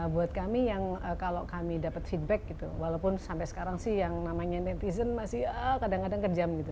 buat kami yang kalau kami dapat feedback gitu walaupun sampai sekarang sih yang namanya netizen masih kadang kadang kejam gitu